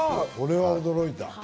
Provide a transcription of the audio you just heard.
これは驚いた。